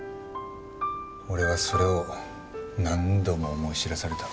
俺はそれを何度も思い知らされた。